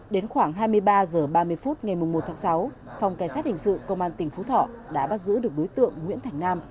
đến khoảng hai mươi ba h ba mươi phút ngày một tháng sáu phòng cảnh sát hình sự công an tỉnh phú thọ đã bắt giữ được đối tượng nguyễn thành nam